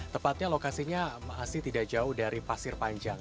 tepatnya lokasinya masih tidak jauh dari pasir panjang